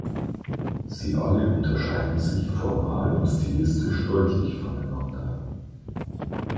Sie alle unterscheiden sich formal und stilistisch deutlich voneinander.